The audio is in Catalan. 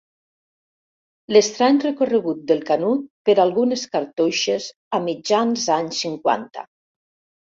L'estrany recorregut del Canut per algunes cartoixes a mitjan anys cinquanta.